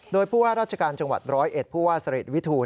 โดยผู้ว่าราชการจังหวัด๑๐๑ผู้ว่าสลิทวิทูน